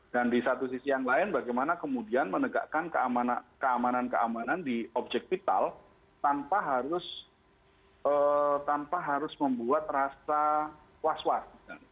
dan di satu sisi yang lain bagaimana kemudian menegakkan keamanan keamanan di objek vital tanpa harus membuat rasa was was